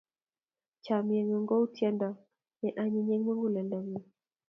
Chomye ng'ung kou tyendo ne onyiny eng' muguleldanyu.